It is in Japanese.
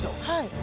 はい。